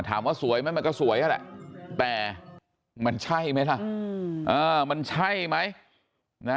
ถามว่าสวยไหมมันก็สวยนั่นแหละแต่มันใช่ไหมล่ะมันใช่ไหมนะ